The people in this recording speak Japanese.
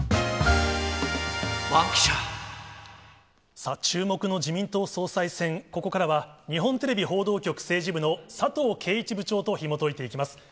さあ、注目の自民党総裁選、ここからは、日本テレビ報道局政治部の佐藤圭一部長とひもといていきます。